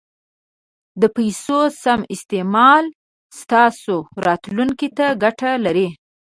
د پیسو سم استعمال ستاسو راتلونکي ته ګټه لري.